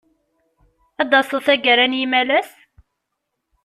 Ad d-taseḍ taggara-a n yimalas?